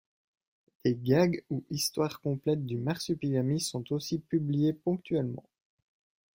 Des gags ou histoires complètes du Marsupilami sont aussi publiés ponctuellement.